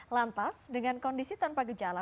lantas dengan kondisi tanpa gejala